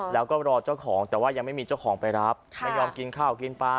แล้วก็รอเจ้าของแต่ว่ายังไม่มีเจ้าของไปรับไม่ยอมกินข้าวกินปลา